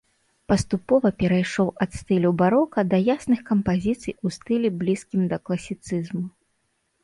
Паступова перайшоў ад стылю барока да ясных кампазіцый у стылі блізкім да класіцызму.